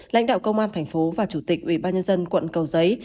lãnh đạo công an tp và chủ tịch ubnd quận cầu giấy